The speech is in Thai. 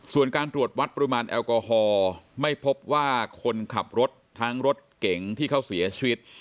ส่วนการตรวจวัดปริมาณแอลกอฮอล์ไม่พบว่าคนขับรถทั้งรถเก๋งที่เขาเสียชีวิต